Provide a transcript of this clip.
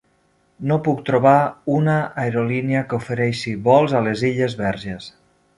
No puc trobar una aerolínia que ofereixi vols a les Illes Verges.